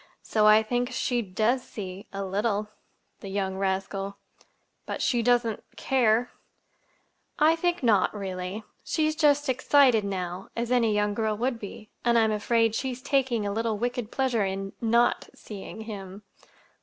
so I think she does see—a little." "The young rascal! But she doesn't—care?" "I think not—really. She's just excited now, as any young girl would be; and I'm afraid she's taking a little wicked pleasure in—not seeing him."